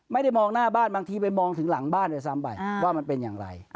ไม่ได้มองหน้าบ้านบางทีไปมองถึงหลังบ้านด้วยซ้ำไปว่ามันเป็นอย่างไร